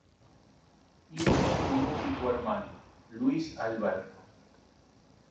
Tiene un único hermano: Luis Alberto.